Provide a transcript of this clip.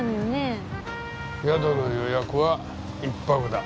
宿の予約は１泊だ。